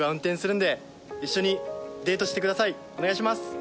「お願いします」